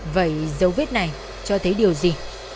vậy dấu vết này cho thấy điều gì